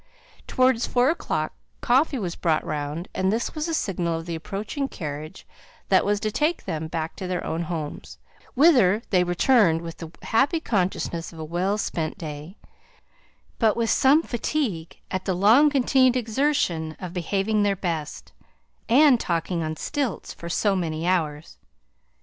Towards four o'clock, coffee was brought round; and this was a signal of the approaching carriage that was to take them back to their own homes; whither they returned with the happy consciousness of a well spent day, but with some fatigue at the long continued exertion of behaving their best, and talking on stilts for so many hours.